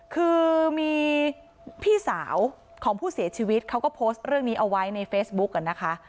คือมีพี่สาวของผู้เสียชีวิตเขาก็โพสต์เรื่องนี้เอาไว้ในเฟซบุ๊กนะคะ